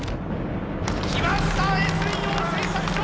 きましたＳ陽製作所！